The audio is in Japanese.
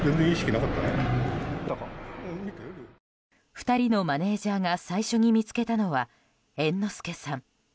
２人のマネジャーが最初に見つけたのは猿之助さん。